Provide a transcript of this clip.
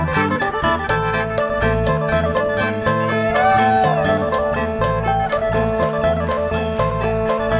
โชว์ฮีตะโครน